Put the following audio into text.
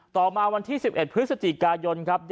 ต่อมาวันที่สิบเอ็ดพฤศจิกายนครับ